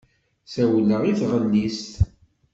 Ssawleɣ i tɣellist.